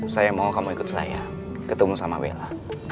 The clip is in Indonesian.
saya mau kamu ikut saya ketemu sama bella